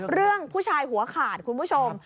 เรื่องผู้ชายหัวขาดคุณผู้ชม